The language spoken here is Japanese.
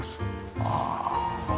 ああ。